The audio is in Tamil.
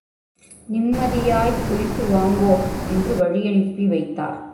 நிம்மதியாய்ப்போயிட்டு வாங்கோ... என்று வழியனுப்பி வைத்தார்.